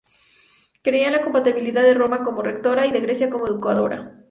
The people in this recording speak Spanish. Creía en la compatibilidad de Roma como rectora y de Grecia como educadora.